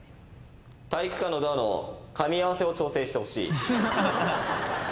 「体育館のドアのかみ合わせを調整してほしい」